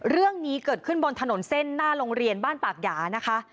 เรื่องนี้เกิดขึ้นบนถนนเส้นหน้าโรงเรียนบ้านปากหยานะคะ